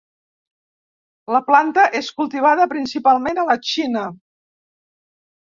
La planta és cultivada principalment a la Xina.